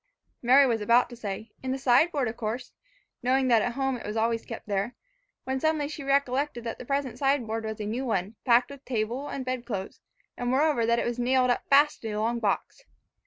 Mary was about to say, "In the sideboard of course," knowing that at home it was always kept there, when suddenly she recollected that the present sideboard was a new one, packed with table and bed clothes, and moreover that it was nailed up fast in a long box.